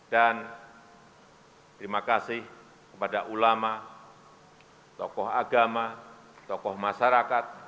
dan terima kasih kepada ulama tokoh agama tokoh masyarakat